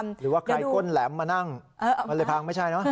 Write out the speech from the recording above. หรือว่าใครก้นแหลมมานั่งมันเลยพังไม่ใช่เนอะ